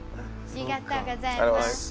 ありがとうございます。